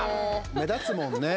目立つもんね。